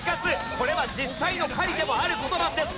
これは実際の狩りでもある事なんです！